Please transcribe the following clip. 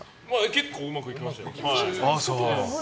結構うまくいきましたよ。